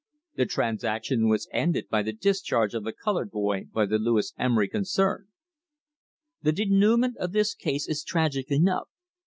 The transaction was ended by the discharge of the coloured boy by the Lewis Emery concern. The denouement of this case is tragic enough.